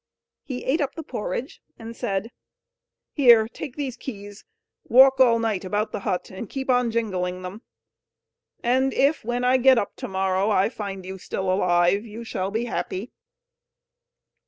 He ate up the porridge, and said: "Here! take these keys; walk all night about the hut, and keep on jingling them. And if, when I get up to morrow, I find you still alive, you shall be happy."